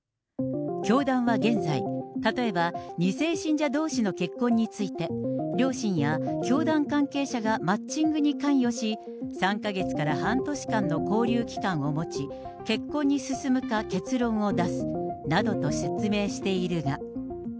教団は現在、例えば２世信者どうしの結婚について、両親や教団関係者がマッチングに関与し、３か月から半年間の交流期間を持ち、結婚に進むか結論を出すなどと説明しているが。